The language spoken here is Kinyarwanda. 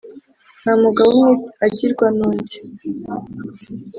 Nta mugabo umwe agirwa nu ndi.